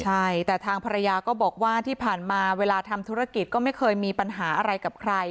ใช่แต่ทางภรรยาก็บอกว่าที่ผ่านมาเวลาทำธุรกิจก็ไม่เคยมีปัญหาอะไรกับใคร